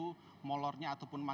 perkembangan legislasi di indonesia